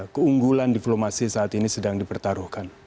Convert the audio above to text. keunggulan diplomasi saat ini sedang dipertaruhkan